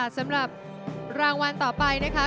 สำหรับรางวัลต่อไปนะคะ